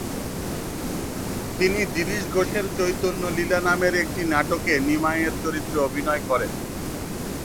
তিনি দিরিশ ঘোষের চৈতন্যলীলা নামের একটি নাটকে নিমাইয়ের চরিত্রে অভিনয় করেন।